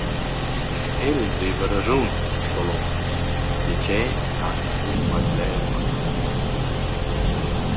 El vaiva radschun, Solon, be ch’eu n’ha inclet quai bler massa tard.